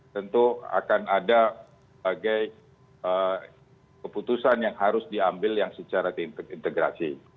tentu akan ada bagai keputusan yang harus diambil yang secara integrasi